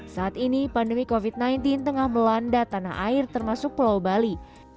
saat ini pandemi covid sembilan belas tengah melanda tanah air termasuk pulau bali